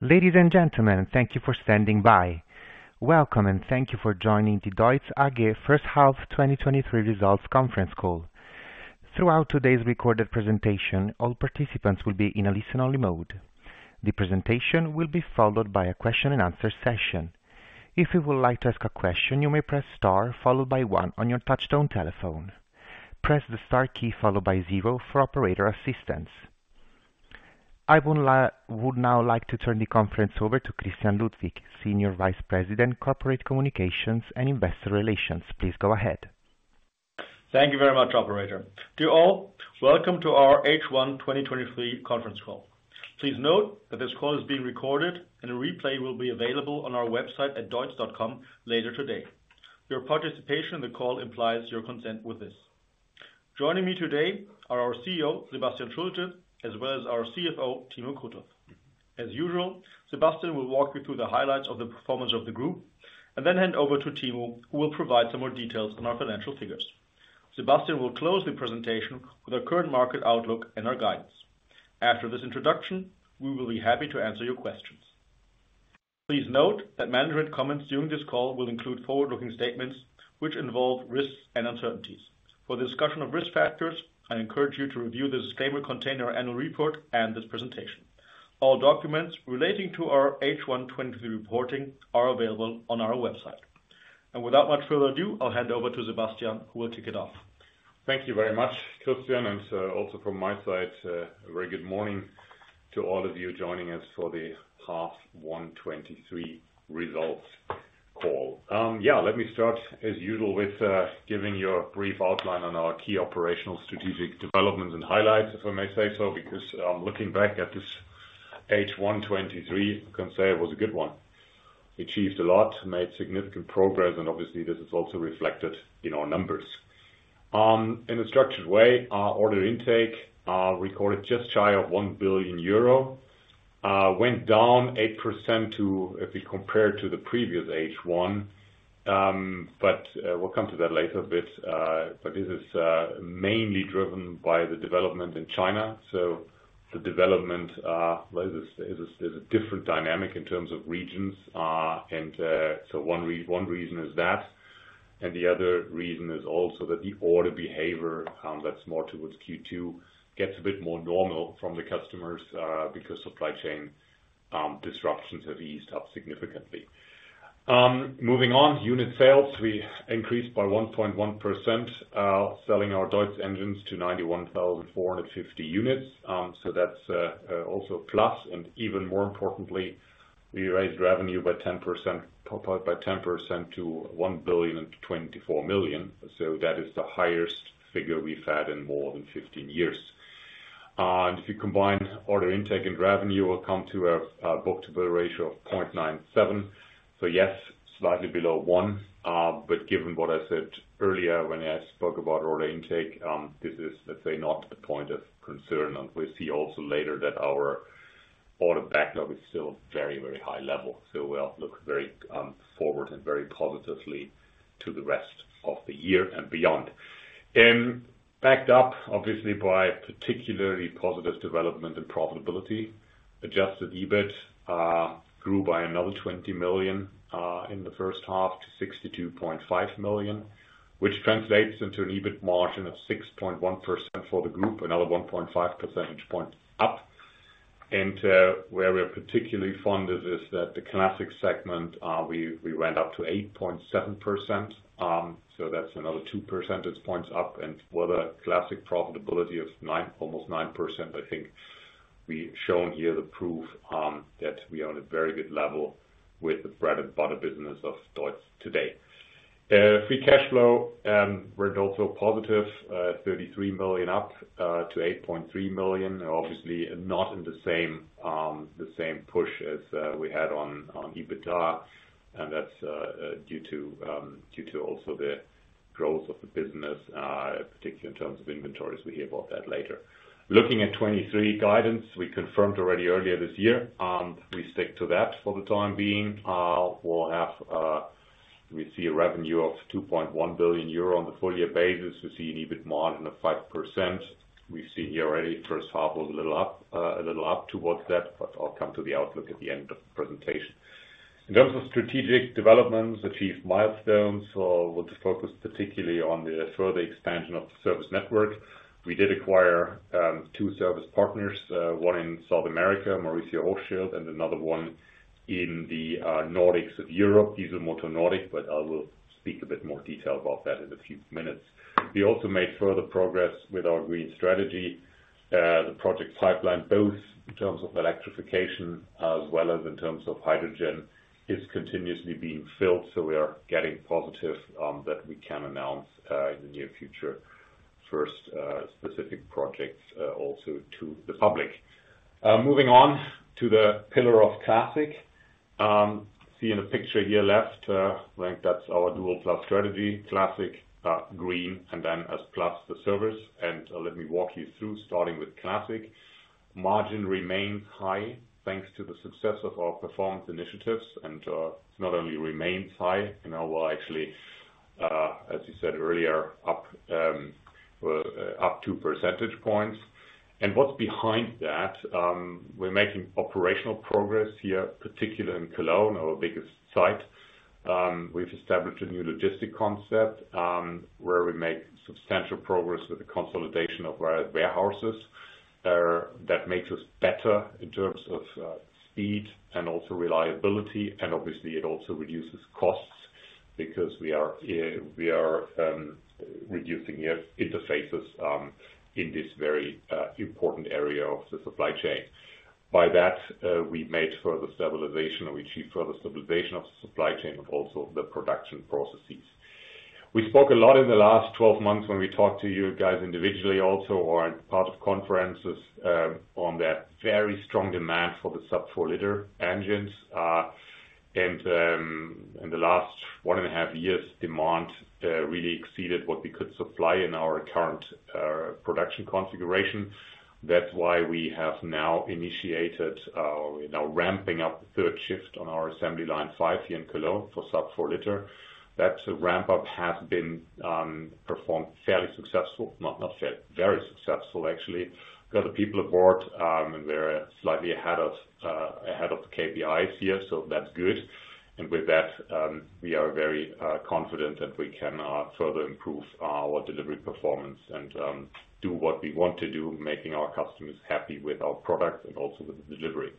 Ladies and gentlemen, thank you for standing by. Welcome, and thank you for joining the DEUTZ AG First Half 2023 Results Conference Call. Throughout today's recorded presentation, all participants will be in a listen-only mode. The presentation will be followed by a question and answer session. If you would like to ask a question, you may press star followed by one on your touchtone telephone. Press the star key followed by zero for operator assistance. I would now like to turn the conference over to Christian Ludwig, Senior Vice President, Corporate Communications and Investor Relations. Please go ahead. Thank you very much, operator. To you all, welcome to our H1 2023 conference call. Please note that this call is being recorded, and a replay will be available on our website at deutz.com later today. Your participation in the call implies your consent with this. Joining me today are our CEO, Sebastian Schulte, as well as our CFO, Timo Krutoff. As usual, Sebastian will walk you through the highlights of the performance of the group and then hand over to Timo, who will provide some more details on our financial figures. Sebastian will close the presentation with our current market outlook and our guidance. After this introduction, we will be happy to answer your questions. Please note that management comments during this call will include forward-looking statements, which involve risks and uncertainties. For the discussion of risk factors, I encourage you to review the disclaimer contained in our annual report and this presentation. All documents relating to our H1 2023 reporting are available on our website. Without much further ado, I'll hand over to Sebastian, who will kick it off. Thank you very much, Christian. Also from my side, a very good morning to all of you joining us for the H1 '23 results call. Yeah, let me start, as usual, with giving you a brief outline on our key operational strategic developments and highlights, if I may say so, because looking back at this H1 '23, I can say it was a good one. Achieved a lot, made significant progress, obviously this is also reflected in our numbers. In a structured way, our order intake, recorded just shy of 1 billion euro, went down 8% if we compare it to the previous H1. We'll come to that later a bit. This is mainly driven by the development in China. The development, well, there's a different dynamic in terms of regions, and one reason is that, and the other reason is also that the order behavior, that's more towards Q2, gets a bit more normal from the customers, because supply chain disruptions have eased up significantly. Moving on, unit sales, we increased by 1.1%, selling our DEUTZ engines to 91,450 units, so that's also a plus. Even more importantly, we raised revenue by 10%, up by 10% to 1,024 million. That is the highest figure we've had in more than 15 years. If you combine order intake and revenue, we'll come to a book-to-bill ratio of 0.97. Yes, slightly below one, but given what I said earlier when I spoke about order intake, this is, let's say, not a point of concern. We'll see also later that our order backlog is still very, very high level. We all look very forward and very positively to the rest of the year and beyond. Backed up obviously by particularly positive development and profitability. Adjusted EBIT grew by another 20 million in the first half to 62.5 million, which translates into an EBIT margin of 6.1% for the group, another 1.5 percentage points up. Where we're particularly fond is, is that the classic segment, we went up to 8.7%, so that's another two percentage points up. For the classic profitability of almost 9%, I think we've shown here the proof that we are on a very good level with the bread and butter business of DEUTZ today. Free cash flow were also positive, 33 million up to 8.3 million. Obviously, not in the same, the same push as we had on EBITDA, and that's due to due to also the growth of the business, particularly in terms of inventories. We'll hear about that later. Looking at 2023 guidance, we confirmed already earlier this year, we stick to that for the time being. We'll have, we see a revenue of 2.1 billion euro on the full year basis. We see an EBIT margin of 5%. We see here already, first half was a little up, a little up towards that. I'll come to the outlook at the end of the presentation. In terms of strategic developments, achieved milestones, we'll just focus particularly on the further expansion of the service network. We did acquire two service partners, one in South America, Mauricio Hochschild, and another one in the Nordics of Europe, Diesel Motor Nordic. I will speak a bit more detail about that in a few minutes. We also made further progress with our green strategy. The project pipeline, both in terms of electrification as well as in terms of hydrogen, is continuously being filled, we are getting positive that we can announce in the near future, first specific projects also to the public. Moving on to the pillar of classic. See in the picture here left, I think that's our Dual+ strategy, classic, green, and then as plus, the service. Let me walk you through, starting with classic. Margin remains high thanks to the success of our performance initiatives, it not only remains high, you know, we're actually as you said earlier, up two percentage points. What's behind that? We're making operational progress here, particularly in Cologne, our biggest site. We've established a new logistic concept, where we make substantial progress with the consolidation of our warehouses. That makes us better in terms of speed and also reliability, obviously, it also reduces costs because we are we are reducing interfaces in this very important area of the supply chain. By that, we made further stabilization, or we achieved further stabilization of the supply chain, but also the production processes. We spoke a lot in the last 12 months when we talked to you guys individually, also, or as part of conferences, on that very strong demand for the sub-4-liter engines. In the last 1.5 years, demand really exceeded what we could supply in our current production configuration. That's why we have now initiated, now ramping up the third shift on our assembly line five here in Cologne for sub-four-liter. That ramp up has been performed fairly successful, not, not fair, very successful, actually. Got the people aboard, and we're slightly ahead of ahead of the KPIs here, so that's good. With that, we are very confident that we can further improve our delivery performance and do what we want to do, making our customers happy with our products and also with the delivery.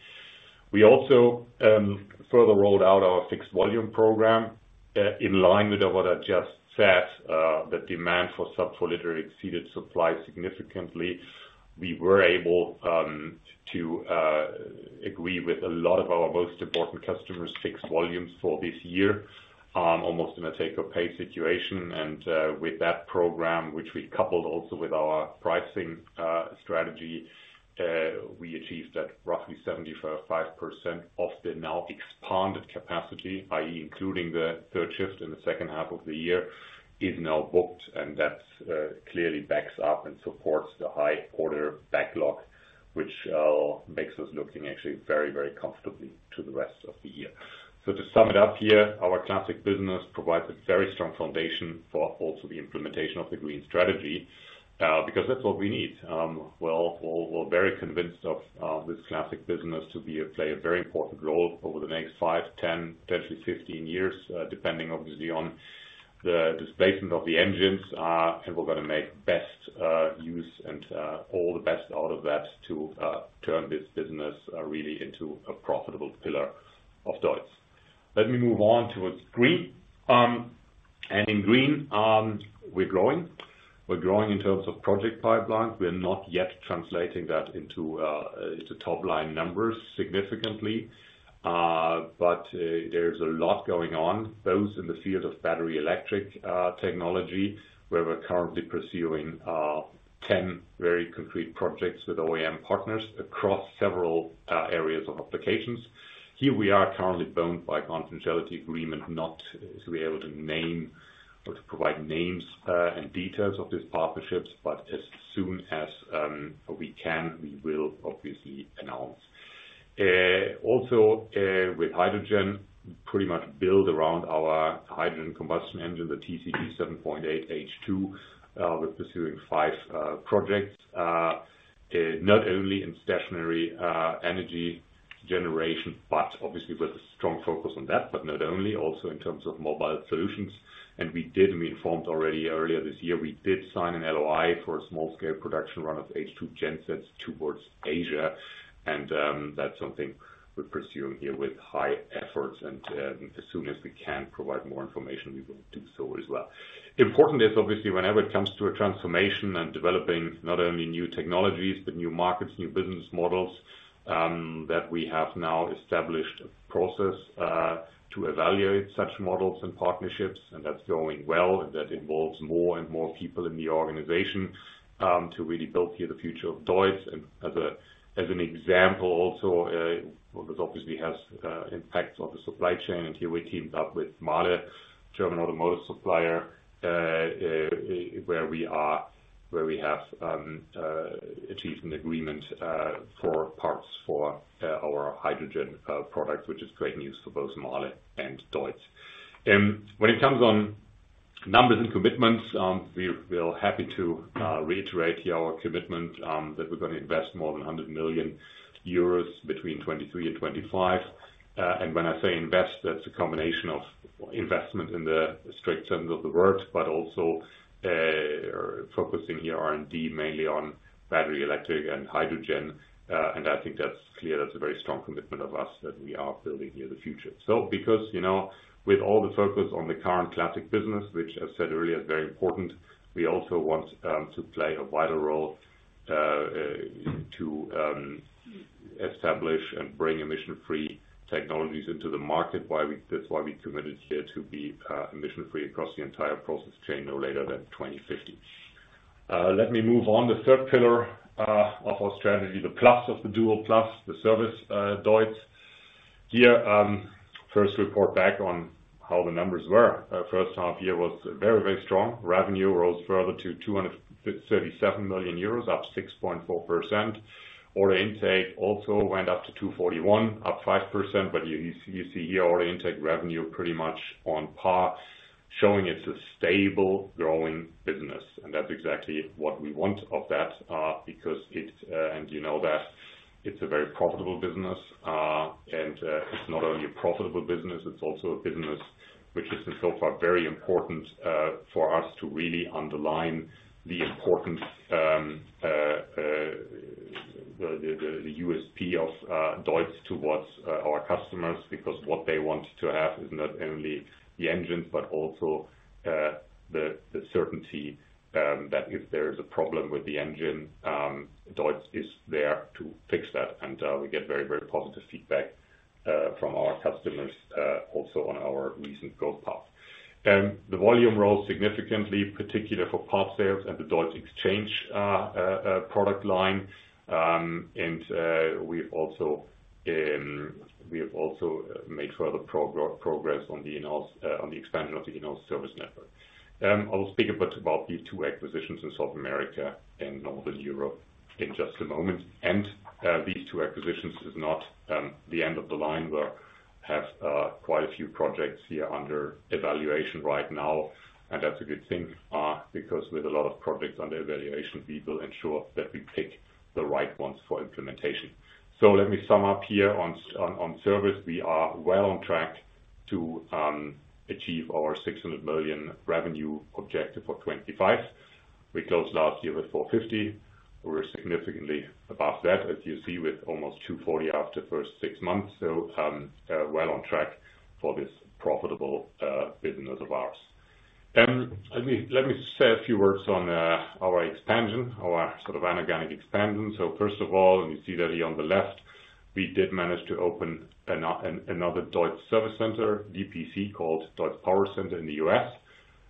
We also further rolled out our fixed-volume program in line with what I just said, the demand for sub-four-liter exceeded supply significantly. We were able to agree with a lot of our most important customers, fixed volumes for this year, almost in a take or pay situation. With that program, which we coupled also with our pricing strategy, we achieved that roughly 75% of the now expanded capacity, i.e., including the third shift in the second half of the year, is now booked, and that clearly backs up and supports the high order backlog, which makes us looking actually very, very comfortably to the rest of the year. To sum it up here, our classic business provides a very strong foundation for also the implementation of the green strategy, because that's what we need. We're very convinced of this classic business to be, play a very important role over the next five, 10, potentially 15 years, depending obviously on the displacement of the engines. We're gonna make best use and all the best out of that to turn this business really into a profitable pillar of DEUTZ. Let me move on towards green. In green, we're growing. We're growing in terms of project pipeline. We're not yet translating that into top line numbers significantly. There's a lot going on, both in the field of battery electric technology, where we're currently pursuing 10 very concrete projects with OEM partners across several areas of applications. Here, we are currently bound by confidentiality agreement, not to be able to name or to provide names and details of these partnerships, but as soon as we can, we will obviously announce. Also, with hydrogen, pretty much build around our hydrogen combustion engine, the TCG 7.8 H2, we're pursuing five projects, not only in stationary energy generation, but obviously with a strong focus on that, but not only, also in terms of mobile solutions. We did, we informed already earlier this year, we did sign an LOI for a small-scale production run of H2 gensets towards Asia, and that's something we're pursuing here with high efforts, and as soon as we can provide more information, we will do so as well. Important is obviously, whenever it comes to a transformation and developing not only new technologies, but new markets, new business models, that we have now established a process to evaluate such models and partnerships, and that's going well, and that involves more and more people in the organization to really build here the future of DEUTZ. As a, as an example, also, because obviously has impacts on the supply chain, and here we teamed up with Mahle, German automotive supplier, where we have achieved an agreement for parts for our hydrogen product, which is great news for both Mahle and DEUTZ. When it comes on numbers and commitments, we're, we're happy to reiterate here our commitment, that we're gonna invest more than 100 million euros between 2023 and 2025. When I say invest, that's a combination of investment in the strict terms of the word, but also focusing here on R&D, mainly on battery, electric, and hydrogen. I think that's clear. That's a very strong commitment of us, that we are building here the future. Because, you know, with all the focus on the current classic business, which I said earlier, is very important, we also want to play a vital role to establish and bring emission-free technologies into the market. That's why we committed here to be emission free across the entire process chain no later than 2050. Let me move on. The third pillar of our strategy, the plus of the Dual+, the service, DEUTZ. Here, first report back on how the numbers were. First half year was very, very strong. Revenue rose further to 237 million euros, up 6.4%. Order intake also went up to 241 million, up 5%. You, you, you see here order intake revenue pretty much on par, showing it's a stable growing business. That's exactly what we want of that, because it, and you know that it's a very profitable business. It's not only a profitable business, it's also a business which has been so far very important for us to really underline the important, the, the, the USP of DEUTZ towards our customers. Because what they want to have is not only the engines, but also the, the certainty that if there is a problem with the engine, DEUTZ is there to fix that. We get very, very positive feedback from our customers, also on our recent growth path. The volume rose significantly, particularly for parts sales and the DEUTZ Xchange product line. We've also, we have also made further progress on the expansion of the in-house service network. I will speak a bit about the two acquisitions in South America and Northern Europe in just a moment. These two acquisitions is not the end of the line. We have quite a few projects here under evaluation right now, and that's a good thing, because with a lot of projects under evaluation, we will ensure that we pick the right ones for implementation. Let me sum up here on on, on service. We are well on track to achieve our 600 million revenue objective for 2025. We closed last year with 450. We're significantly above that, as you see, with almost 240 after the first six months. Well on track for this profitable business of ours. Let me, let me say a few words on our expansion, our sort of anorganic expansion. First of all, you see that here on the left, we did manage to open another DEUTZ service center, DPC, called DEUTZ Power Center in the U.S.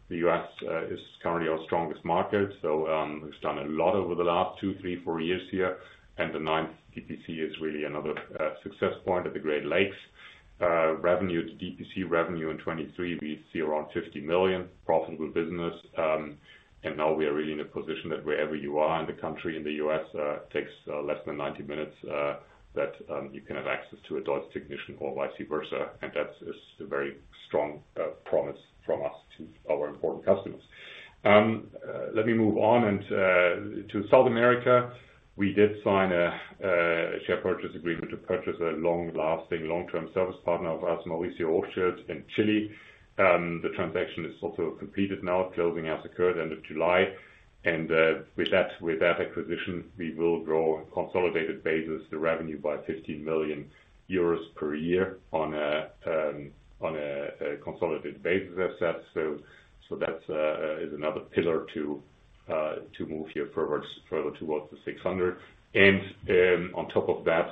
The U.S. is currently our strongest market, we've done a lot over the last two, three, four years here, and the ninth DPC is really another success point at the Great Lakes. Revenue, the DPC revenue in 2023, we see around 50 million, profitable business. Now we are really in a position that wherever you are in the country, in the U.S., takes less than 90 minutes that you can have access to a DEUTZ technician or vice versa, and that is a very strong promise from us to our important customers. Let me move on to South America. We did sign a share purchase agreement to purchase a long-lasting, long-term service partner of ours, Mauricio Orchards in Chile. The transaction is also completed now. Closing has occurred end of July, with that, with that acquisition, we will grow consolidated basis, the revenue by 15 million euros per year on a consolidated basis as that. That's another pillar to move here further, further towards the 600 million. On top of that,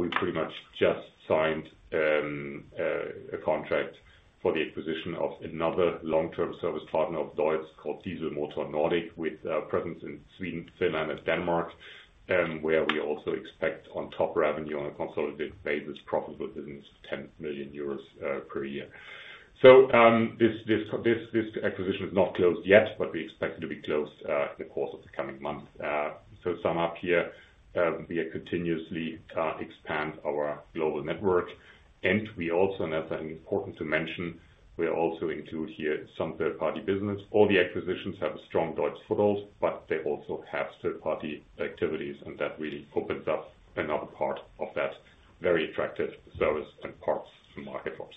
we pretty much just signed a contract for the acquisition of another long-term service partner of DEUTZ called Diesel Motor Nordic, with a presence in Sweden, Finland, and Denmark, where we also expect on top revenue on a consolidated basis, profitable business, 10 million euros per year. This, this, this, this acquisition is not closed yet, but we expect it to be closed in the course of the coming months. So to sum up here, we are continuously expand our global network, and we also, and that's important to mention, we also include here some third-party business. All the acquisitions have a strong DEUTZ foothold, but they also have third-party activities, and that really opens up another part of that very attractive service and parts market box.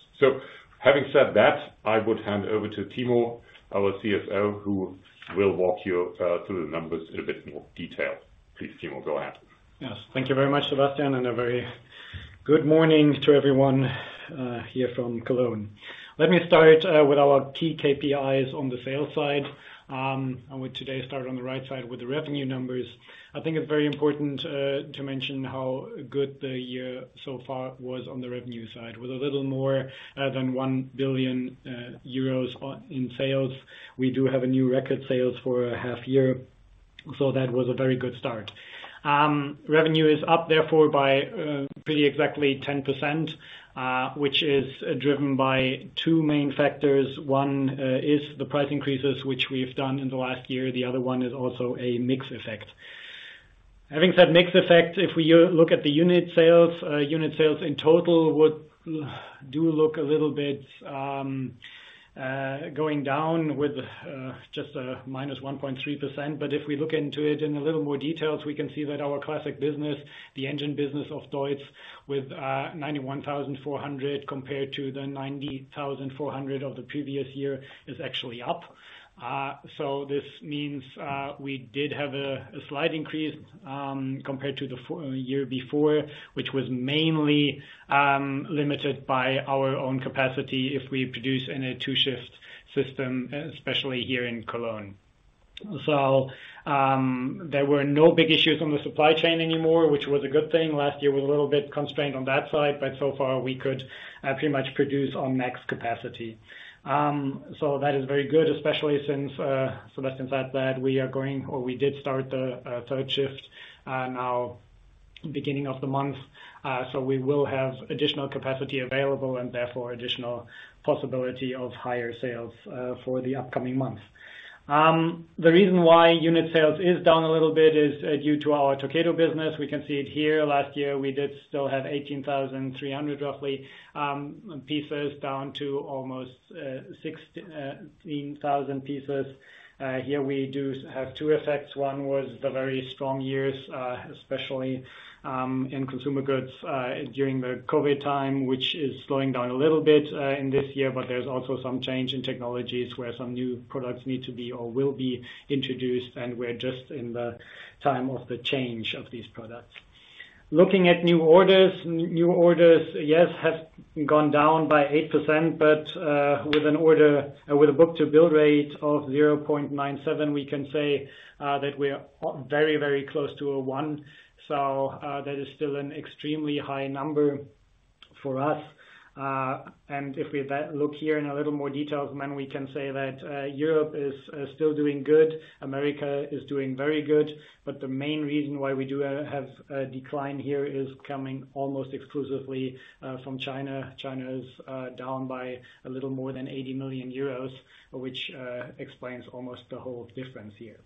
Having said that, I would hand over to Timo, our CFO, who will walk you through the numbers in a bit more detail. Please, Timo, go ahead. Yes. Thank you very much, Sebastian, and a very good morning to everyone here from Cologne. Let me start with our key KPIs on the sales side. I would today start on the right side with the revenue numbers. I think it's very important to mention how good the year so far was on the revenue side. With a little more than 1 billion euros on in sales, we do have a new record sales for a half year, so that was a very good start. Revenue is up therefore by pretty exactly 10%, which is driven by two main factors. One is the price increases, which we've done in the last year, the other one is also a mix effect. Having said mix effect, if we look at the unit sales, unit sales in total would do look a little bit going down with just a minus 1.3%. If we look into it in a little more details, we can see that our classic business, the engine business of DEUTZ, with 91,400 compared to the 90,400 of the previous year, is actually up. This means we did have a slight increase compared to the year before, which was mainly limited by our own capacity if we produce in a two-shift system, especially here in Cologne. There were no big issues on the supply chain anymore, which was a good thing. Last year, we were a little bit constrained on that side, but so far we could pretty much produce on max capacity. That is very good, especially since Sebastian said that we are going or we did start the third shift beginning of the month, so we will have additional capacity available and therefore additional possibility of higher sales for the upcoming months. The reason why unit sales is down a little bit is due to our TAFE business. We can see it here. Last year, we did still have 18,300, roughly, pieces, down to almost 16,000 pieces. Here we do have two effects. One was the very strong years, especially, in consumer goods, during the COVID time, which is slowing down a little bit, in this year. There's also some change in technologies where some new products need to be or will be introduced, and we're just in the time of the change of these products. Looking at new orders, new orders, yes, have gone down by 8%, but, with a book-to-bill rate of 0.97, we can say, that we are very, very close to a 1. That is still an extremely high number for us. If we look here in a little more detail, we can say that Europe is still doing good, America is doing very good, the main reason why we do have a decline here is coming almost exclusively from China. China is down by a little more than 80 million euros, which explains almost the whole difference here.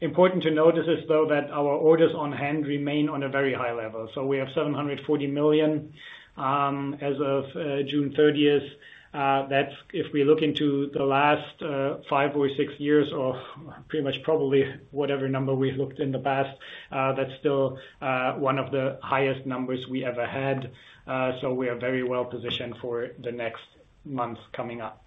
Important to notice is, though, that our orders on hand remain on a very high level. We have 740 million as of June 30th. That's if we look into the last five or six years, or pretty much probably whatever number we looked in the past, that's still one of the highest numbers we ever had. We are very well positioned for the next months coming up.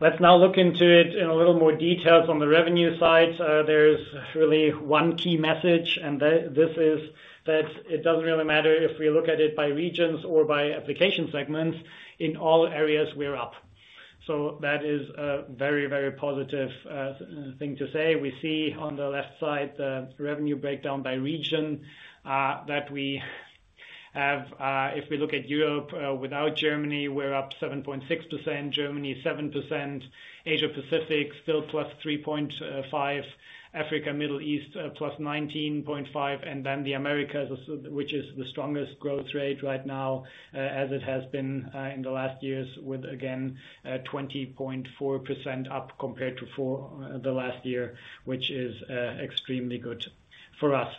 Let's now look into it in a little more detail. From the revenue side, there's really one key message, and this is that it doesn't really matter if we look at it by regions or by application segments. In all areas, we're up. That is a very, very positive thing to say. We see on the left side, the revenue breakdown by region, that we have, if we look at Europe, without Germany, we're up 7.6%, Germany, 7%, Asia Pacific, still plus 3.5, Africa, Middle East, plus 19.5, and then the Americas, which is the strongest growth rate right now, as it has been in the last years, with, again, 20.4% up compared to the last year, which is extremely good for us.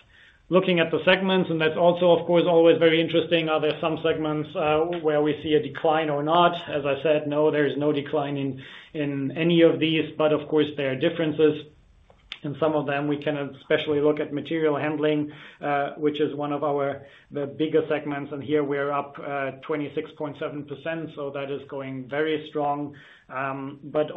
Looking at the segments, that's also, of course, always very interesting. Are there some segments where we see a decline or not? As I said, no, there is no decline in, in any of these, but of course, there are differences. In some of them, we can especially look at material handling, which is one of our, the bigger segments, and here we're up 26.7%, so that is going very strong.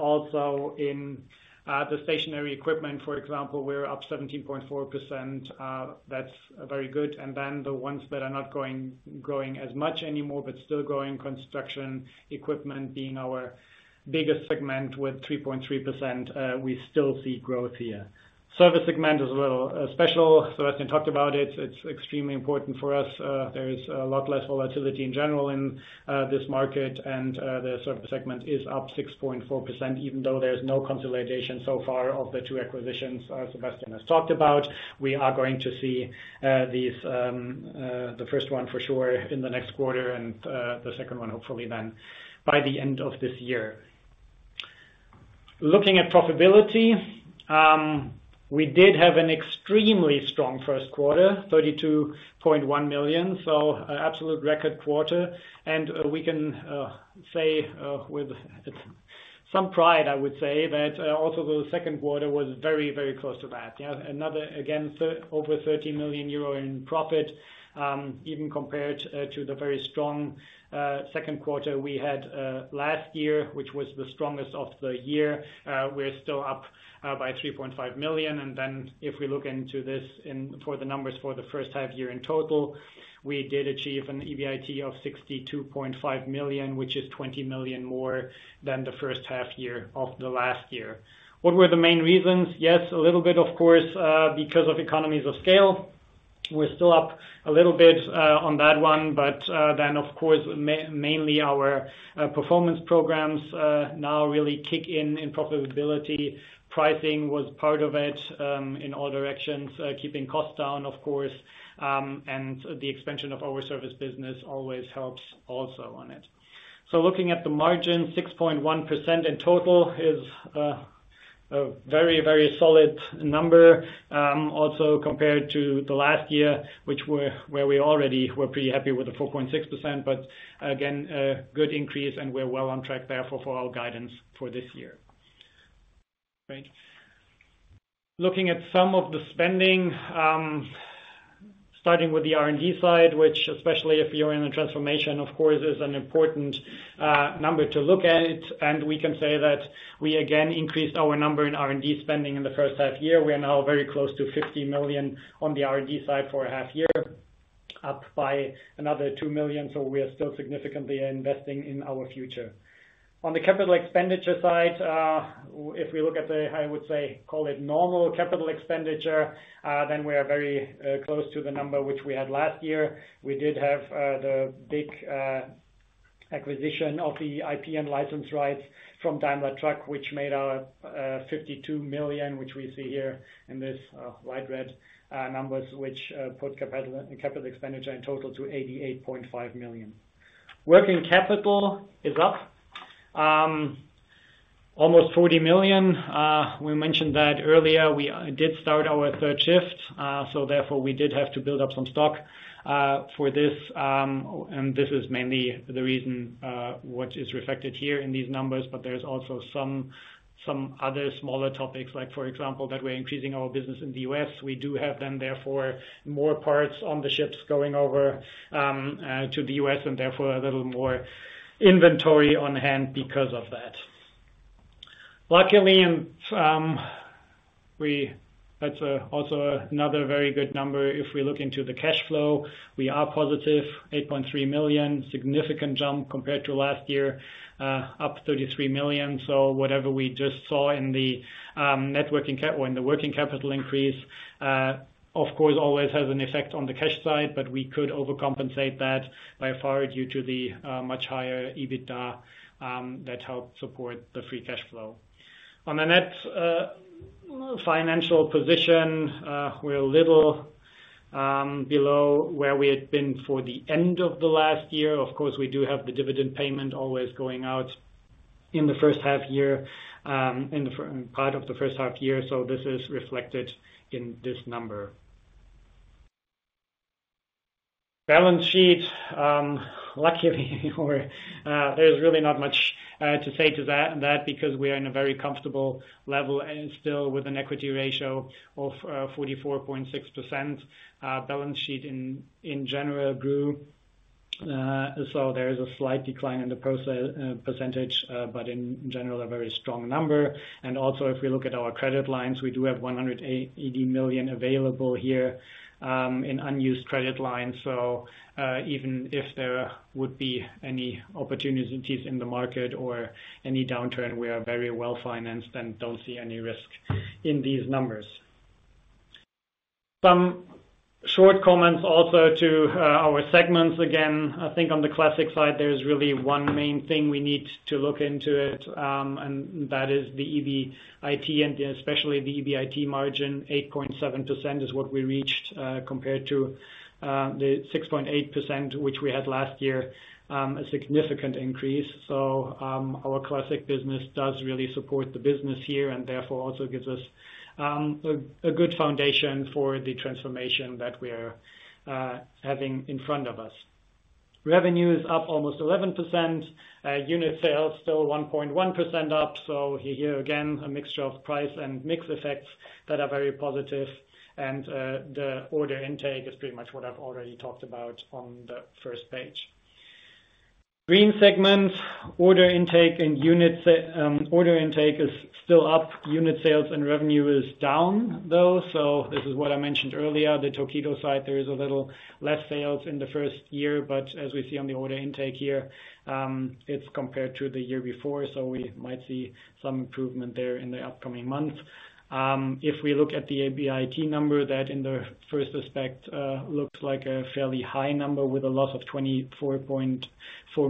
Also in the stationary equipment, for example, we're up 17.4%. That's very good. The ones that are not going, growing as much anymore, but still growing, construction equipment being our biggest segment with 3.3%, we still see growth here. Service segment is a little special. Sebastian talked about it. It's extremely important for us. ss volatility in general in this market, and the service segment is up 6.4%, even though there's no consolidation so far of the two acquisitions Sebastian has talked about. We are going to see these, the first one for sure in the next quarter and the second one, hopefully then, by the end of this year. Looking at profitability, we did have an extremely strong first quarter, 32.1 million, so absolute record quarter. We can say with some pride, I would say, that also the second quarter was very, very close to that. Yeah, another, again, over 13 million euro in profit, even compared to the very strong second quarter we had last year, which was the strongest of the year. We're still up by 3.5 million. If we look into this in, for the numbers for the first half-year in total, we did achieve an EBIT of 62.5 million, which is 20 million more than the first half-year of the last year. What were the main reasons? Yes, a little bit, of course, because of economies of scale. We're still up a little bit on that one, but then, of course, mainly our performance programs now really kick in, in profitability. Pricing was part of it, in all directions, keeping costs down, of course, and the expansion of our service business always helps also on it. Looking at the margin, 6.1% in total is a very, very solid number, also compared to the last year, where we already were pretty happy with the 4.6%, but again, a good increase, and we're well on track, therefore, for our guidance for this year. Great. Looking at some of the spending, starting with the R&D side, which especially if you're in a transformation, of course, is an important number to look at. We can say that we again increased our number in R&D spending in the first half year. We are now very close to 50 million on the R&D side for a half year, up by another 2 million, so we are still significantly investing in our future. On the capital expenditure side, if we look at the, I would say, call it normal capital expenditure, then we are very close to the number which we had last year. We did have the big acquisition of the IP and license rights from Daimler Truck, which made our 52 million, which we see here in this light red numbers, which put capital expenditure in total to 88.5 million. Working capital is up almost 40 million. We mentioned that earlier. We did start our third shift, so therefore, we did have to build up some stock for this. And this is mainly the reason what is reflected here in these numbers, but there's also some other smaller topics, like, for example, that we're increasing our business in the US. We do have then therefore, more parts on the ships going over to the U.S., therefore, a little more inventory on hand because of that. Luckily, that's also another very good number if we look into the cash flow. We are positive, 8.3 million, significant jump compared to last year, up 33 million. Whatever we just saw in the working capital increase, of course, always has an effect on the cash side, we could overcompensate that by far due to the much higher EBITDA that helped support the free cash flow. On the net financial position, we're a little below where we had been for the end of the last year. Of course, we do have the dividend payment always going out in the first half year, in the part of the first half year. This is reflected in this number. Balance sheet, luckily, or, there's really not much to say to that, that because we are in a very comfortable level and still with an equity ratio of 44.6%. Balance sheet in, in general grew, so there is a slight decline in the percentage, but in general, a very strong number. Also, if we look at our credit lines, we do have 180 million available here in unused credit lines. Even if there would be any opportunities in the market or any downturn, we are very well-financed and don't see any risk in these numbers. Some short comments also to our segments. Again, I think on the classic side, there is really one main thing we need to look into it, and that is the EBIT and especially the EBIT margin. 8.7% is what we reached compared to the 6.8% which we had last year, a significant increase. Our classic business does really support the business here, and therefore, also gives us a good foundation for the transformation that we are having in front of us. Revenue is up almost 11%. Unit sales still 1.1% up, so here again, a mixture of price and mix effects that are very positive, and the order intake is pretty much what I've already talked about on the first page. Green segment, order intake and unit sa-, order intake is still up, unit sales and revenue is down, though, so this is what I mentioned earlier. The Torpedo site, there is a little less sales in the first year, but as we see on the order intake here, it's compared to the year before, so we might see some improvement there in the upcoming months. If we look at the EBIT number, that in the first aspect, looks like a fairly high number with a loss of 24.4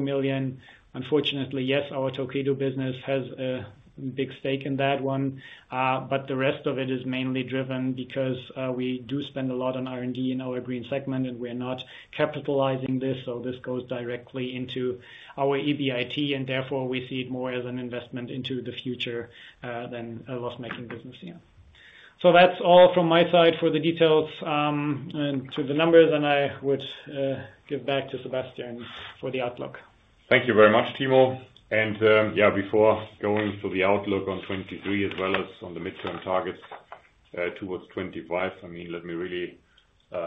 million. Unfortunately, yes, our Torpedo business has a big stake in that one. The rest of it is mainly driven because we do spend a lot on R&D in our green segment, and we are not capitalizing this, so this goes directly into our EBIT, and therefore, we see it more as an investment into the future than a loss-making business unit. That's all from my side for the details and to the numbers, and I would give back to Sebastian for the outlook. Thank you very much, Timo. Before going to the outlook on 2023, as well as on the midterm targets towards 2025, let me really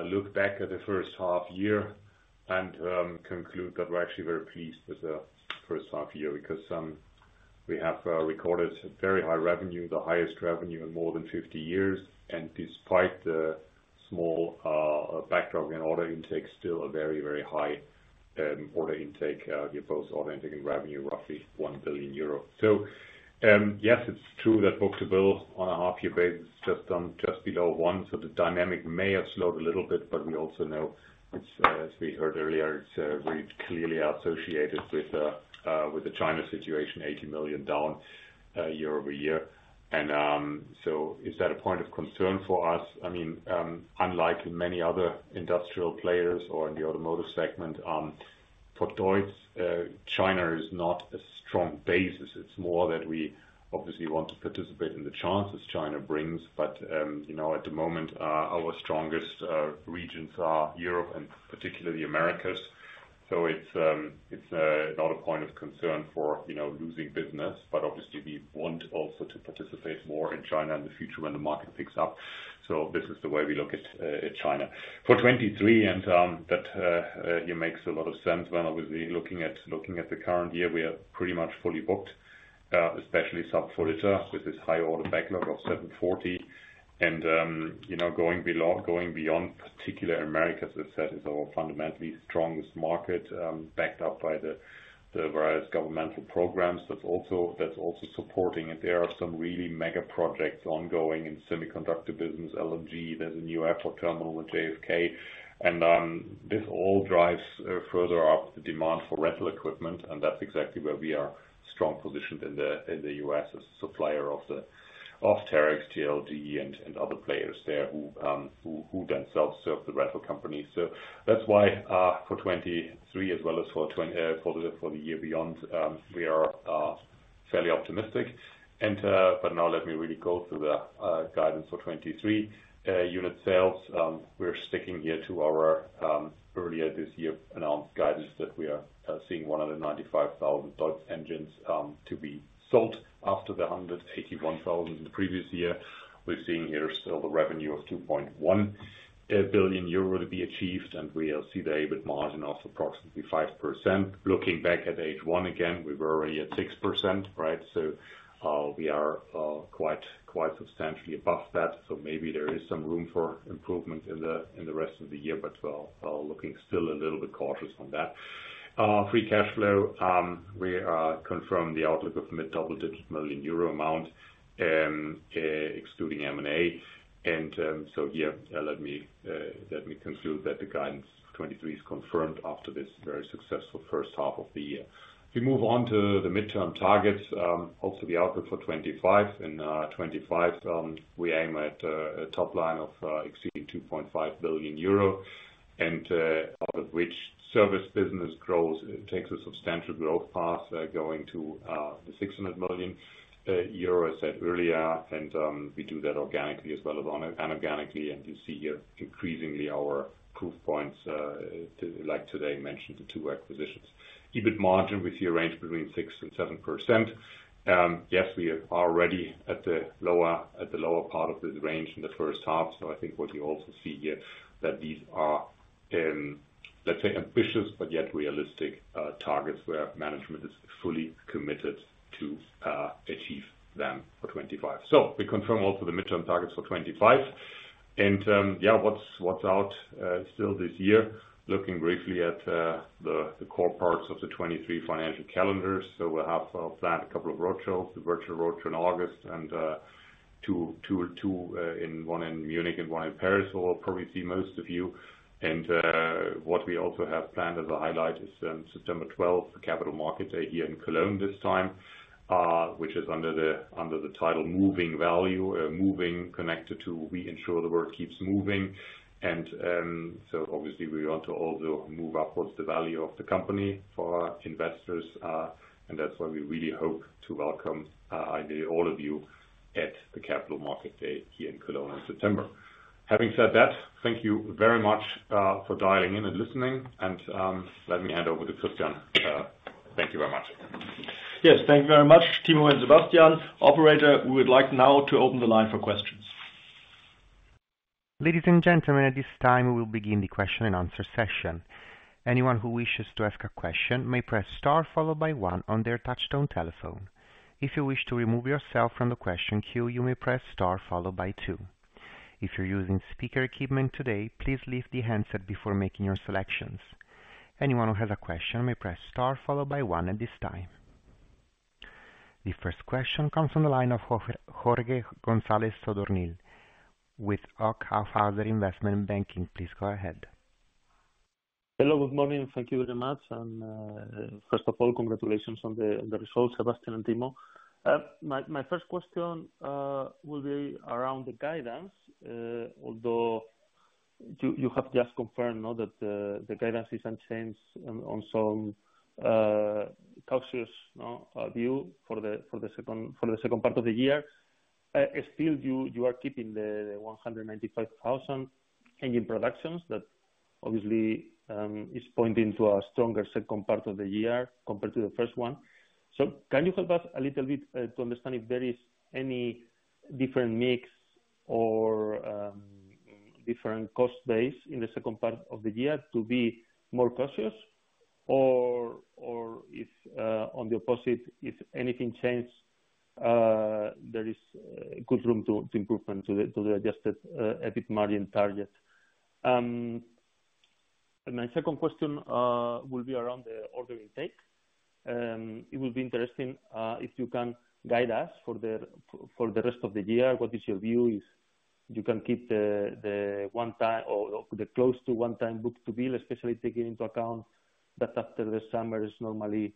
look back at the first half year and conclude that we're actually very pleased with the first half year. We have recorded very high revenue, the highest revenue in more than 50 years, and despite the small backdrop in order intake, still a very, very high order intake, both order intake and revenue, roughly 1 billion euro. Yes, it's true that book-to-bill on a half year basis, just just below 1, so the dynamic may have slowed a little bit, but we also know, it's as we heard earlier, it's very clearly associated with the China situation, 80 million down year-over-year. Is that a point of concern for us? I mean, unlike many other industrial players or in the automotive segment, for DEUTZ, China is not a strong basis. It's more that we obviously want to participate in the chances China brings, but, you know, at the moment, our strongest regions are Europe and particularly Americas. It's not a point of concern for, you know, losing business, but obviously we want also to participate more in China in the future when the market picks up. This is the way we look at China. For 2023, it makes a lot of sense when obviously looking at, looking at the current year, we are pretty much fully booked, especially Sub-Volita, with this high order backlog of 740. You know, going beyond particular Americas, as I said, is our fundamentally strongest market, backed up by the, the various governmental programs. That's also, that's also supporting it. There are some really mega projects ongoing in semiconductor business, LNG. There's a new airport terminal with JFK. This all drives further up the demand for rental equipment, and that's exactly where we are strong positioned in the, in the US as a supplier of the, of Terex, GLD and, and other players there who, who themselves serve the rental companies. That's why, for 2023 as well as for the year beyond, we are fairly optimistic. But now let me really go through the guidance for 2023. Unit sales, we're sticking here to our earlier this year announced guidance that we are seeing 195,000 DEUTZ engines to be sold after the 181,000 in the previous year. We're seeing here still the revenue of 2.1 billion euro to be achieved. We see the EBIT margin of approximately 5%. Looking back at H1 again, we were already at 6%, right? We are quite, quite substantially above that. Maybe there is some room for improvement in the rest of the year. We're looking still a little bit cautious on that. Free cash flow, we confirm the outlook of mid-double digit million EUR amount, excluding M&A. Let me conclude that the guidance 2023 is confirmed after this very successful first half of the year. We move on to the midterm targets, also the outlook for 2025. In 2025, we aim at a top line of exceeding 2.5 billion euro, and out of which service business grows, takes a substantial growth path, going to the 600 million euro I said earlier. We do that organically as well as on- and organically, and you see here increasingly our proof points to, like today, mentioned the two acquisitions. EBIT margin, we see a range between 6%-7%. Yes, we are already at the lower, at the lower part of the range in the first half, so I think what you also see here, that these are, let's say, ambitious, but yet realistic, targets where management is fully committed to achieve them for 2025. We confirm also the midterm targets for 2025. Yeah, what's, what's out still this year? Looking briefly at the core parts of the 2023 financial calendar. We'll have planned a couple of roadshows, the virtual roadshow in August and two, one in Munich and one in Paris, where we'll probably see most of you. What we also have planned as a highlight is on September 12th, the Capital Markets Day here in Cologne this time, which is under the title Moving Value. Moving, connected to, we ensure the world keeps moving. So obviously we want to also move upwards the value of the company for our investors, and that's why we really hope to welcome, ideally, all of you at the Capital Markets Day here in Cologne in September. Having said that, thank you very much for dialing in and listening. Let me hand over to Christian. Thank you very much. Yes, thank you very much, Timo and Sebastian. Operator, we would like now to open the line for questions. Ladies and gentlemen, at this time, we will begin the question and answer session. Anyone who wishes to ask a question may press star followed by one on their touchtone telephone. If you wish to remove yourself from the question queue, you may press star followed by two. If you're using speaker equipment today, please leave the handset before making your selections. Anyone who has a question may press star followed by one at this time. The first question comes from the line of Jorge, Jorge Gonzalez Adornil with Hello, good morning. Thank you very much. First of all, congratulations on the results, Sebastian and Timo. My first question will be around the guidance. Although you have just confirmed now that the guidance is unchanged on some cautious view for the second, for the second part of the year. Still you are keeping the 195,000 engine productions that obviously is pointing to a stronger second part of the year compared to the first one. Can you help us a little bit to understand if there is any different mix or different cost base in the second part of the year to be more cautious? If, on the opposite, if anything changed, there is good room to, to improvement to the adjusted EBIT margin target. My second question will be around the order intake. It will be interesting if you can guide us for the rest of the year, what is your view, if you can keep the 1-time or the close to one time book to bill, especially taking into account that after the summer is normally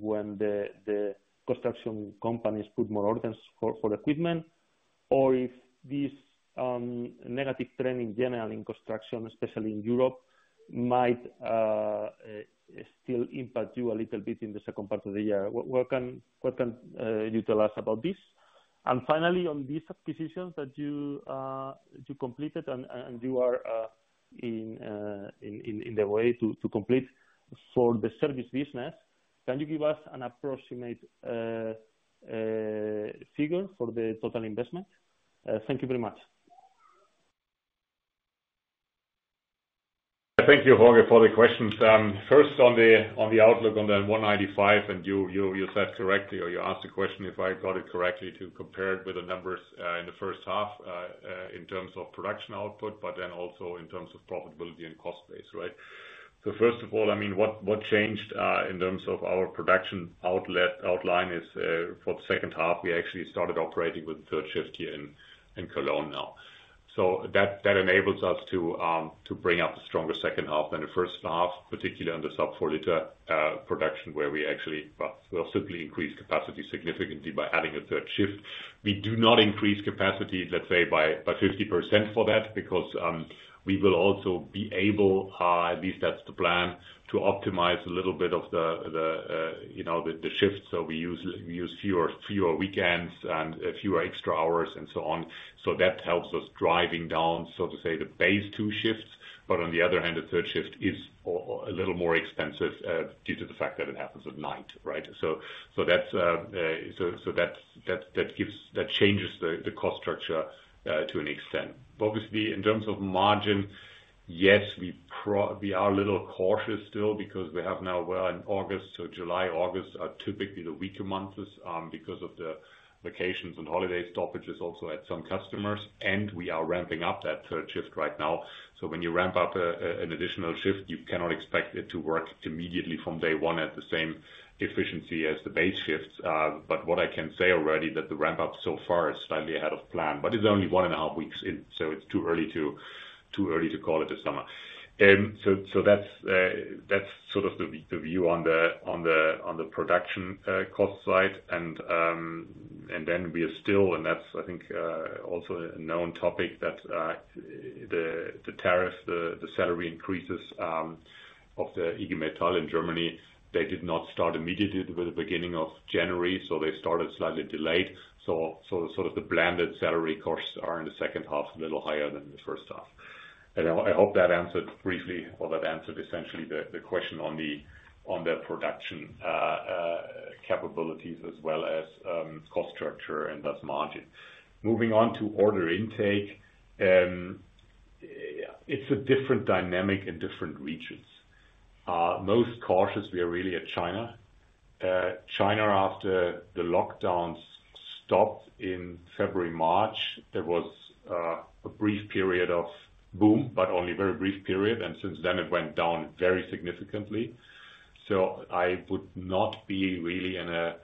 when the construction companies put more orders for equipment, or if this negative trend in general in construction, especially in Europe, might still impact you a little bit in the second part of the year. What can you tell us about this? Finally, on these acquisitions that you, you completed and, and you are in the way to complete for the service business, can you give us an approximate figure for the total investment? Thank you very much. Thank you, Jorge, for the questions. First on the, on the outlook on the 195, and you, you, you said correctly or you asked the question, if I got it correctly, to compare it with the numbers in the first half in terms of production output, but then also in terms of profitability and cost base, right? First of all, I mean, what, what changed in terms of our production outlet outline is for the second half, we actually started operating with the third shift here in Cologne now. That enables us to bring up a stronger second half than the first half, particularly in the sub-four-liter production, where we actually, well, will simply increase capacity significantly by adding a third shift. We do not increase capacity, let's say, by, by 50% for that, because we will also be able, at least that's the plan, to optimize a little bit of the, the, you know, the, the shifts, so we use, we use fewer, fewer weekends and fewer extra hours and so on. That helps us driving down, so to say, the base two shifts, but on the other hand, the third shift is a little more expensive, due to the fact that it happens at night, right? That's so that's that, that gives that changes the, the cost structure, to an extent. Obviously, in terms of margin, yes, we are a little cautious still because we have now, we're in August, so July, August are typically the weaker months, because of the vacations and holiday stoppages also at some customers, and we are ramping up that third shift right now. When you ramp up an additional shift, you cannot expect it to work immediately from day 1 at the same efficiency as the base shifts. But what I can say already that the ramp up so far is slightly ahead of plan, but it's only one and a half weeks in, so it's too early to, too early to call it this summer. That's, that's sort of the, the view on the, on the, on the production, cost side. Then we are still, and that's, I think, also a known topic, that the, the tariff, the, the salary increases of the IG Metall in Germany, they did not start immediately with the beginning of January, they started slightly delayed. Sort of the blended salary costs are in the second half, a little higher than the first half. I, I hope that answered briefly, or that answered essentially the question on the production capabilities as well as cost structure and thus margin. Moving on to order intake, it's a different dynamic in different regions. Most cautious, we are really at China. China, after the lockdowns stopped in February, March, there was a brief period of boom, but only a very brief period, since then it went down very significantly. I would not be really in a,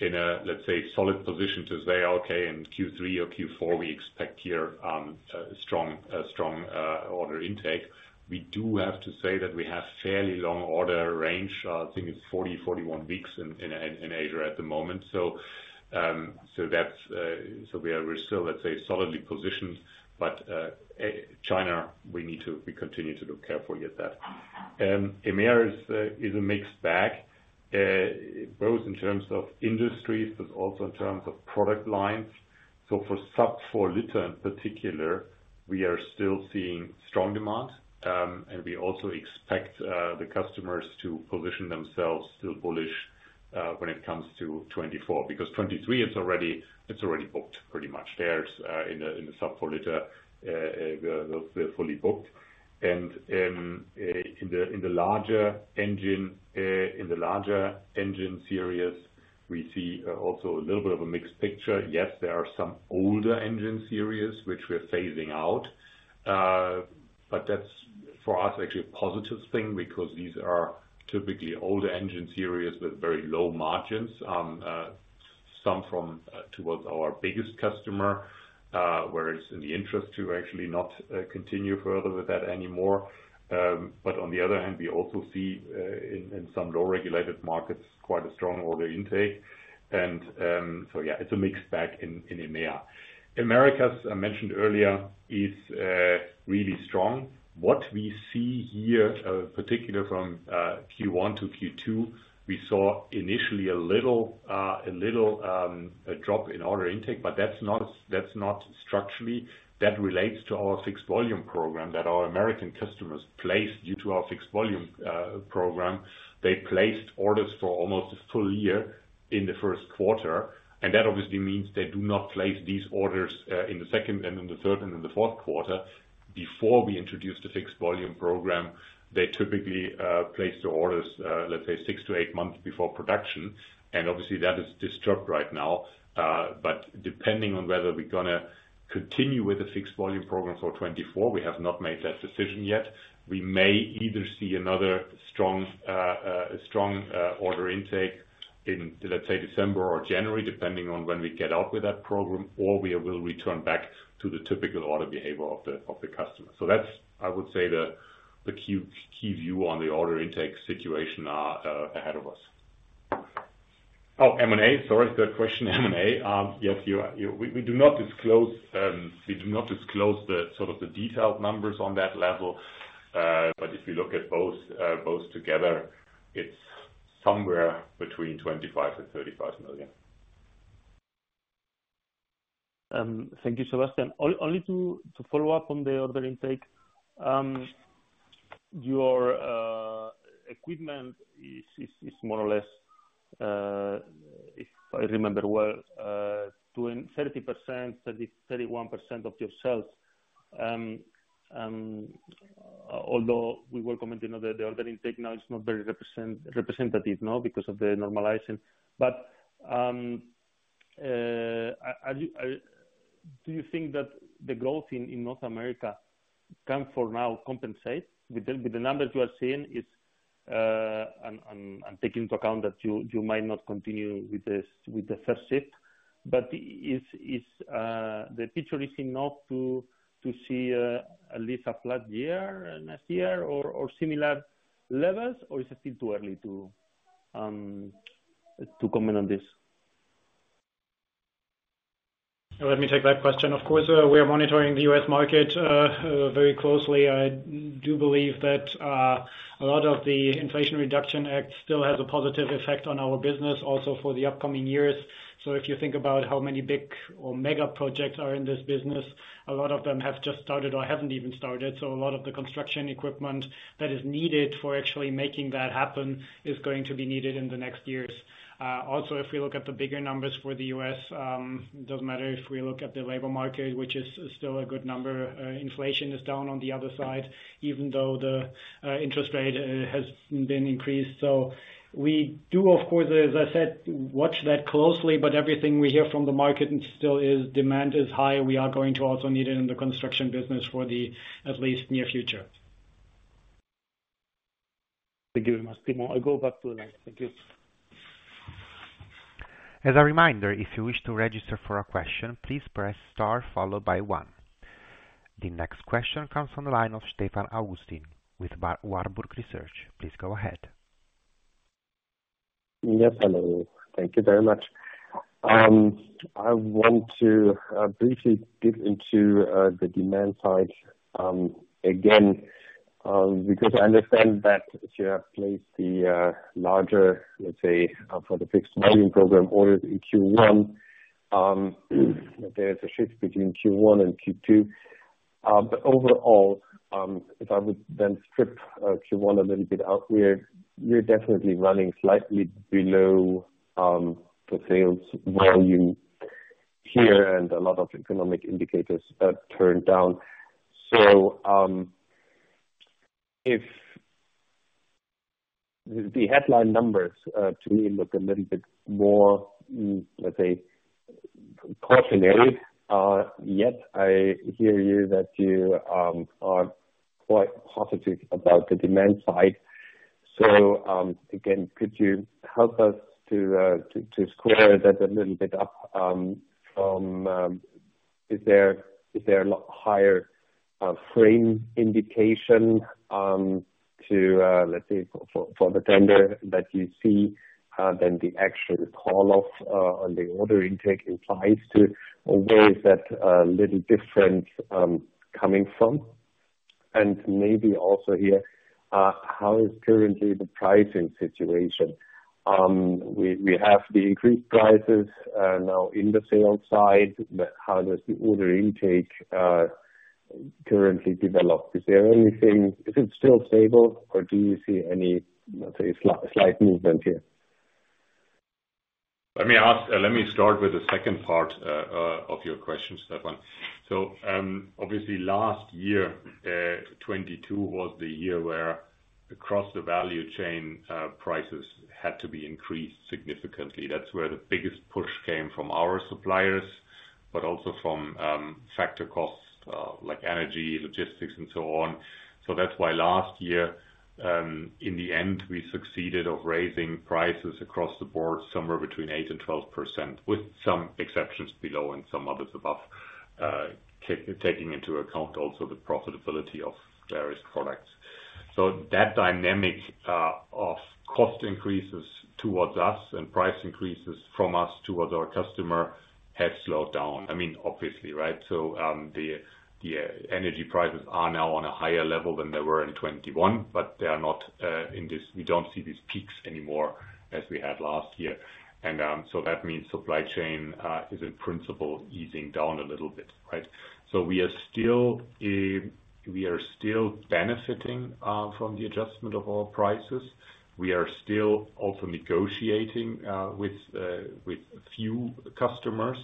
in a, let's say, solid position to say, "Okay, in Q3 or Q4, we expect here, a strong, strong, order intake." We do have to say that we have fairly long order range. I think it's 40-41 weeks in, in, in Asia at the moment. That's, so we are still, let's say, solidly positioned, but China, we continue to look carefully at that. EMEA is, is a mixed bag, both in terms of industries, but also in terms of product lines. For sub-four-liter in particular, we are still seeing strong demand, and we also expect, the customers to position themselves still bullish, when it comes to 2024, because 2023, it's already, it's already booked pretty much. There's in the sub-four-liter, we're fully booked. In the larger engine, in the larger engine series, we see also a little bit of a mixed picture. Yes, there are some older engine series which we're phasing out, but that's, for us, actually a positive thing because these are typically older engine series with very low margins. Some from towards our biggest customer, where it's in the interest to actually not continue further with that anymore. On the other hand, we also see in some low-regulated markets, quite a strong order intake. It's a mixed bag in EMEA. Americas, I mentioned earlier, is really strong. What we see here, particular from Q1 to Q2, we saw initially a little, a drop in order intake, but that's not structurally. That relates to our fixed-volume program that our American customers placed due to our fixed-volume program. They placed orders for almost a full year in the first quarter, and that obviously means they do not place these orders in the second, and in the third, and in the fourth quarter. Before we introduced the fixed-volume program, they typically placed the orders, let's say six to eight months before production, and obviously that is disturbed right now. Depending on whether we're gonna continue with the fixed-volume program for 2024, we have not made that decision yet. We may either see another strong, strong order intake in, let's say, December or January, depending on when we get out with that program, or we will return back to the typical order behavior of the customer. That's, I would say, the key, key view on the order intake situation ahead of us. Oh, M&A. Sorry, third question, M&A. Yes, we do not disclose, we do not disclose the, sort of the detailed numbers on that level, but if you look at both, both together, it's somewhere between 25 million and 35 million. Thank you, Sebastian. Only to, to follow up on the order intake, your equipment is, is, is more or less, if I remember well, doing 30%, 30%, 31% of your sales. Although we were commenting on the, the order intake now is not very represent- representative now because of the normalization. Are, are you, are do you think that the growth in North America can for now compensate? With the, with the numbers you are seeing is, and, and, and take into account that you, you might not continue with this, with the first shift, but is, is the picture is enough to, to see at least a flat year next year or, or similar levels or is it still too early to comment on this? Let me take that question. Of course, we are monitoring the U.S. market very closely. I do believe that a lot of the Inflation Reduction Act still has a positive effect on our business, also for the upcoming years. If you think about how many big or mega projects are in this business, a lot of them have just started or haven't even started. A lot of the construction equipment that is needed for actually making that happen, is going to be needed in the next years. Also, if we look at the bigger numbers for the U.S., doesn't matter if we look at the labor market, which is still a good number, inflation is down on the other side, even though the interest rate has been increased. We do, of course, as I said, watch that closely, but everything we hear from the market and still is, demand is high. We are going to also need it in the construction business for the, at least, near future. Thank you very much, Timo. I go back to the line. Thank you. As a reminder, if you wish to register for a question, please press star followed by one. The next question comes from the line of Stefan Augustin with Warburg Research. Please go ahead. Yes, hello. Thank you very much. I want to briefly get into the demand side again, because I understand that you have placed the larger, let's say, for the fixed mining program ordered in Q1. There is a shift between Q1 and Q2. Overall, if I would then strip Q1 a little bit out, we're definitely running slightly below the sales volume here, and a lot of economic indicators have turned down. If the headline numbers to me, look a little bit more, let's say, cautionary. Yet, I hear you, that you are quite positive about the demand side. Again, could you help us to square that a little bit up from, is there, is there a lot higher frame indication to, let's say, for, for, for the tender that you see than the actual call off on the order intake implies to? Where is that little difference coming from? Maybe also here, how is currently the pricing situation? We, we have the increased prices now in the sales side, but how does the order intake currently develop? Is it still stable, or do you see any, let's say, slight, slight movement here? Let me start with the second part of your question, Stefan. Obviously last year, 2022 was the year where across the value chain, prices had to be increased significantly. That's where the biggest push came from our suppliers, but also from factor costs, like energy, logistics and so on. That's why last year, in the end, we succeeded of raising prices across the board, somewhere between 8% and 12%, with some exceptions below and some others above, taking into account also the profitability of various products. That dynamic of cost increases towards us and price increases from us towards our customer, have slowed down. I mean obviously, right? The, the energy prices are now on a higher level than they were in 2021, but they are not, we don't see these peaks anymore as we had last year. That means supply chain is in principle easing down a little bit, right? We are still, we are still benefiting from the adjustment of our prices. We are still also negotiating with, with a few customers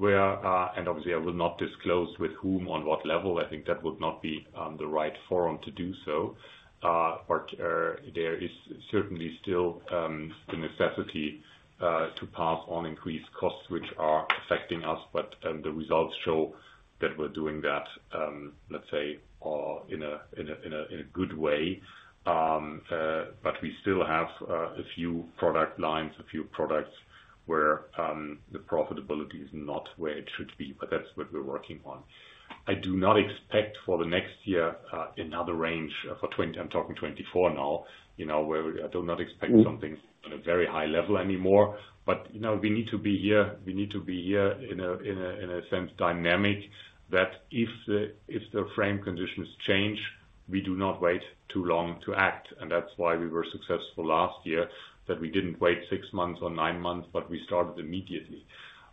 where, and obviously, I will not disclose with whom, on what level, I think that would not be the right forum to do so. But, there is certainly still the necessity to pass on increased costs, which are affecting us, but, the results show that we're doing that, let's say, in a, in a, in a, in a good way. We still have a few product lines, a few products where the profitability is not where it should be, but that's what we're working on. I do not expect for the next year another range for 20- I'm talking 2024 now, you know, where I do not expect something at a very high level anymore. You know, we need to be here, we need to be here in a, in a, in a sense, dynamic, that if the, if the frame conditions change, we do not wait too long to act. That's why we were successful last year, that we didn't wait six months or nine months, but we started immediately.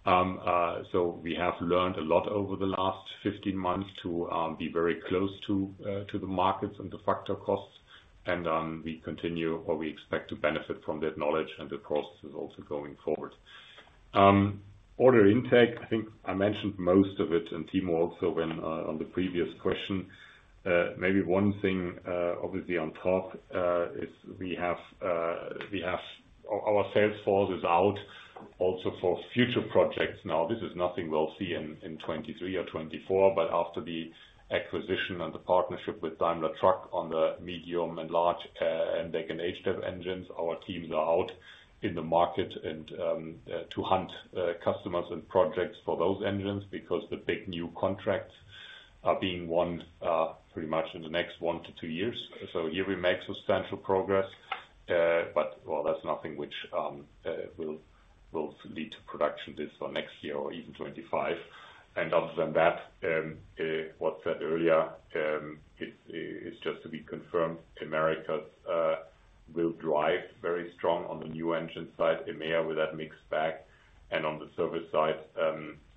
We have learned a lot over the last 15 months to be very close to the markets and the factor costs. We continue or we expect to benefit from that knowledge and the processes also going forward. Order intake, I think I mentioned most of it, and Timo also when on the previous question. Maybe one thing obviously on top is we have, we have our sales force is out. Also for future projects, now this is nothing we'll see in 2023 or 2024, but after the acquisition and the partnership with Daimler Truck on the medium and large engine HDEP engines, our teams are out in the market and to hunt customers and projects for those engines, because the big new contracts are being won pretty much in the next one to two years. Here we make substantial progress, but, well, that's nothing which will, will lead to production this or next year or even 2025. Other than that, what said earlier, it's, it's just to be confirmed. Americas will drive very strong on the new engine side. EMEA with that mixed bag, and on the service side,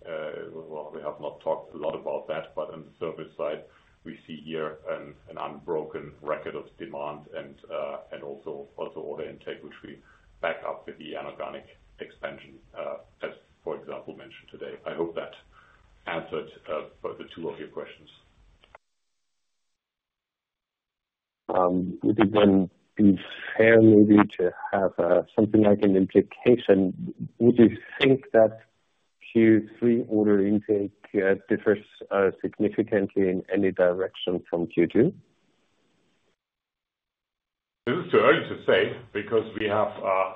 well, we have not talked a lot about that, but on the service side, we see here an, an unbroken record of demand and also, also order intake, which we back up with the inorganic expansion as, for example, mentioned today. I hope that answered both the two of your questions. Would it then be fair maybe to have something like an implication? Would you think that Q3 order intake differs significantly in any direction from Q2? It is too early to say because we have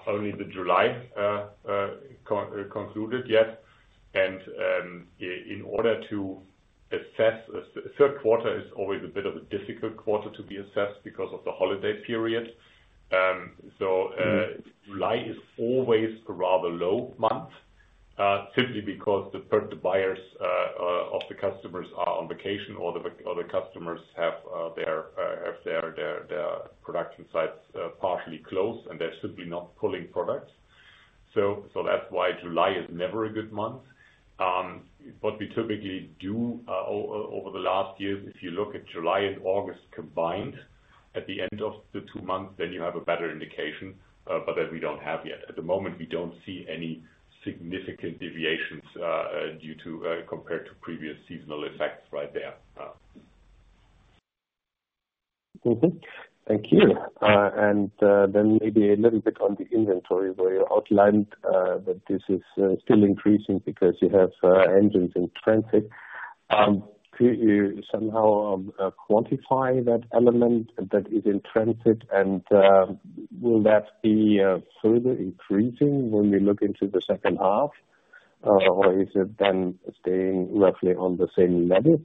only the July concluded yet. In order to assess, 3rd quarter is always a bit of a difficult quarter to be assessed because of the holiday period. Mm-hmm. July is always a rather low month, simply because the buyers of the customers are on vacation, or the customers have their production sites partially closed, and they're simply not pulling products. That's why July is never a good month. What we typically do over the last years, if you look at July and August combined, at the end of the two months, then you have a better indication. That we don't have yet. At the moment, we don't see any significant deviations due to compared to previous seasonal effects right there. Thank you. Then maybe a little bit on the inventory, where you outlined that this is still increasing because you have engines in transit. Could you somehow quantify that element that is in transit, and will that be further increasing when we look into the second half? Or is it then staying roughly on the same level?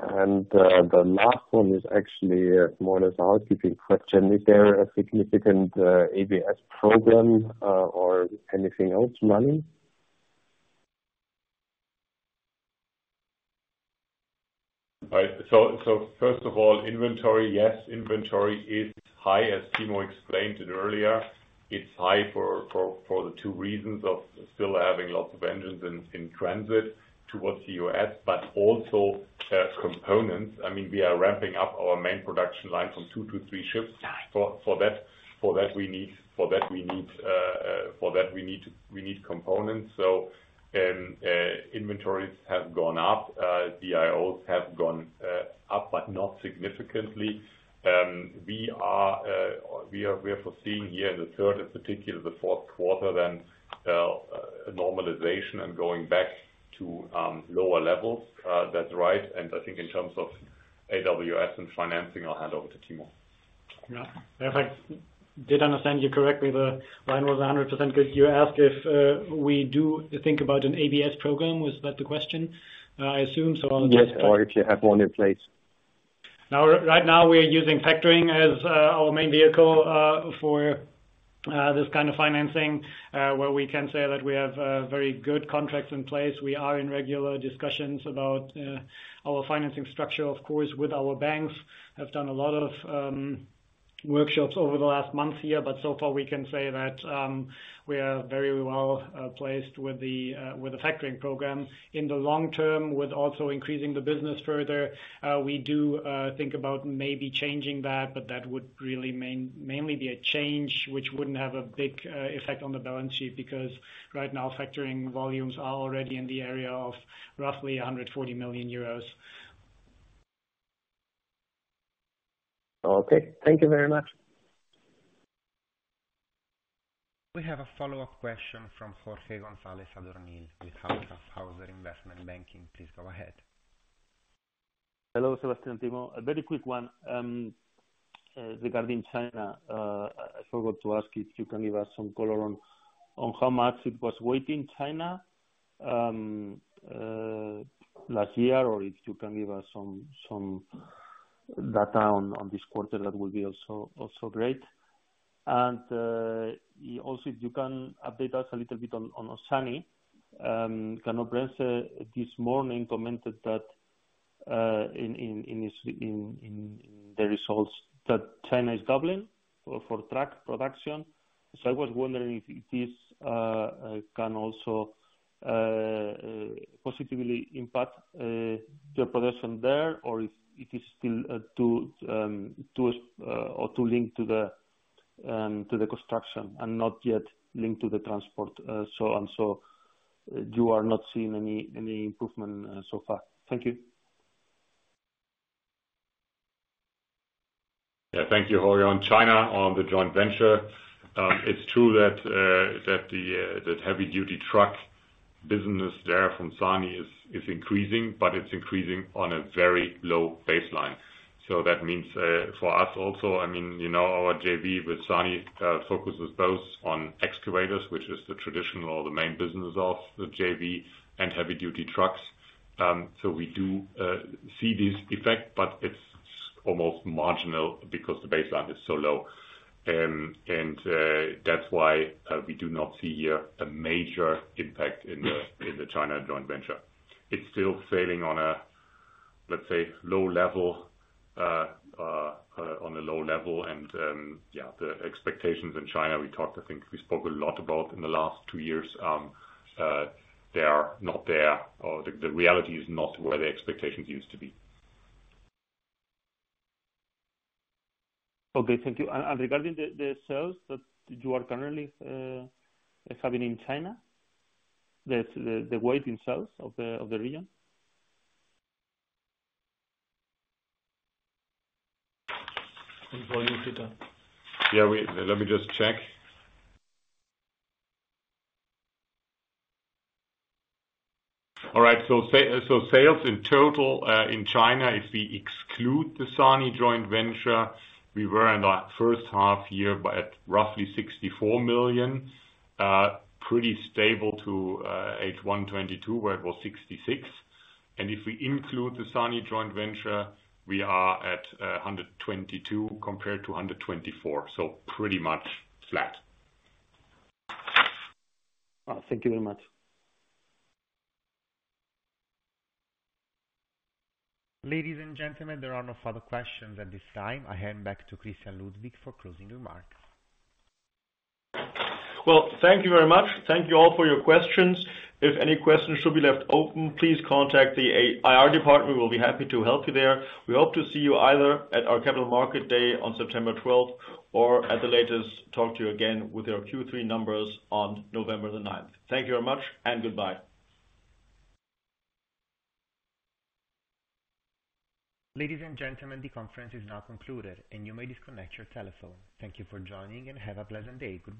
The last one is actually more of an housekeeping question: Is there a significant ABS program or anything else running? Right. First of all, inventory, yes, inventory is high, as Timo explained it earlier. It's high for the two reasons of still having lots of engines in transit towards the US, but also components. I mean, we are ramping up our main production line from two to three shifts. For that we need components. Inventories have gone up, DIOs have gone up, but not significantly. We are foreseeing here in the third, in particular the fourth quarter then, a normalization and going back to lower levels. That's right, I think in terms of AWS and financing, I'll hand over to Timo. Yeah. If I did understand you correctly, the line was 100% clear, you asked if we do think about an ABS program. Was that the question? I assume so. Yes, or if you have one in place. Now, right now, we are using factoring as our main vehicle for this kind of financing, where we can say that we have very good contracts in place. We are in regular discussions about our financing structure, of course, with our banks. Have done a lot of workshops over the last months here, but so far we can say that we are very well placed with the with the factoring program. In the long term, with also increasing the business further, we do think about maybe changing that, but that would really mainly be a change which wouldn't have a big effect on the balance sheet, because right now, factoring volumes are already in the area of roughly 140 million euros. Okay. Thank you very much. We have a follow-up question from Jorge Gonzalez Adornil with Hauck & Aufhäuser Investment Banking. Please go ahead. Hello, Sebastian and Timo. A very quick one regarding China. I forgot to ask if you can give us some color on how much it was weight in China last year, or if you can give us some data on this quarter, that will be also great. Also, if you can update us a little bit on SANY. Canobrence this morning commented that in his results, that China is doubling for truck production. I was wondering if this can also positively impact your production there, or if it's still to or to link to the construction and not yet linked to the transport, so on. You are not seeing any, any improvement, so far? Thank you. Yeah, thank you, Jorge. On China, on the joint venture, it's true that the heavy duty truck business there from SANY is increasing, but it's increasing on a very low baseline. That means for us also, I mean, you know, our JV with SANY focuses both on excavators, which is the traditional or the main business of the JV, and heavy duty trucks. We do see this effect, but it's almost marginal because the baseline is so low. That's why we do not see a major impact in the China joint venture. It's still sailing on a, let's say, low level, on a low level. Yeah, the expectations in China, we talked, I think we spoke a lot about in the last 2 years. They are not there, or the, the reality is not where the expectations used to be. Okay, thank you. Regarding the, the sales that you are currently, having in China, the, the, the weight in sales of the, of the region? Volume, Peter. Yeah, let me just check. All right, so sales in total in China, if we exclude the SANY joint venture, we were in our first half year by, at roughly 64 million, pretty stable to H1 2022, where it was 66 million. If we include the SANY joint venture, we are at 122 million compared to 124 million, so pretty much flat. Thank you very much. Ladies and gentlemen, there are no further questions at this time. I hand back to Christian Ludwig for closing remarks. Well, thank you very much. Thank you all for your questions. If any questions should be left open, please contact the IR department. We'll be happy to help you there. We hope to see you either at our Capital Markets Day on September 12th, or at the latest, talk to you again with our Q3 numbers on November 9th. Thank you very much, and goodbye. Ladies and gentlemen, the conference is now concluded, and you may disconnect your telephone. Thank you for joining, and have a pleasant day. Goodbye.